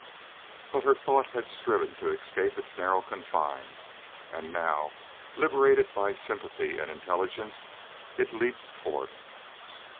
But her thought had striven to escape its narrow confines, and now, liberated by sympathy and intelligence, it leaped forth.